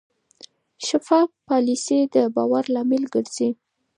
شفاف پالیسي د باور لامل ګرځي.